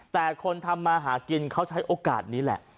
แต่คนทำมาหากินเขาใช้โอกาสนี้แหละ